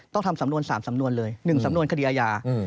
ทำสำนวน๓สำนวนเลย๑สำนวนคดีอาญา